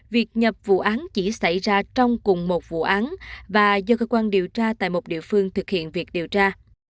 việc nhập vụ án chỉ xảy ra trong cùng một vụ án và do cơ quan điều tra tại một địa phương thực hiện việc điều tra